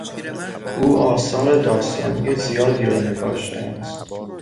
او آثار داستانی زیادی را نگاشته است.